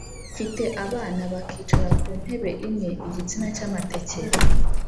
Mfite abana bakicara ku ntebe imwe-Igitsina cy'amateke.